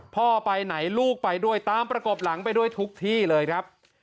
พ่อไปไหนลูกไปด้วยตามประกบหลังไปด้วยทุกที่เลยครับ